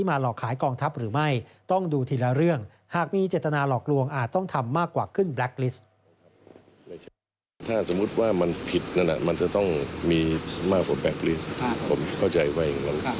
ผมเข้าใจไว้อย่างนั้น